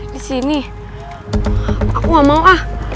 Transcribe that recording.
disini aku gak mau ah